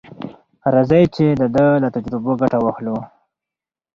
راځئ چې د ده له تجربو ګټه واخلو.